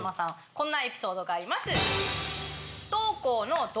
こんなエピソードがあります。